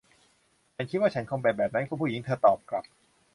คิดว่าฉันคงเป็นแบบนั้น คุณผู้หญิง เธอตอบกลับ